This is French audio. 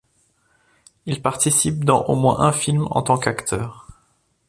Il participe dans au moins un film en tant qu'acteur.